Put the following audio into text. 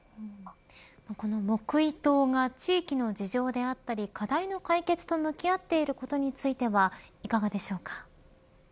この木糸が地域の事情であったり課題の解決と向き合ってることについてはいかがですか。